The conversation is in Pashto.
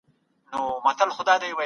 له ظالم څخه کرکه پکار ده.